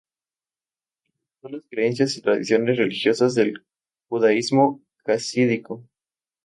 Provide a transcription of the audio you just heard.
Adoptó las creencias y tradiciones religiosas del judaísmo jasídico.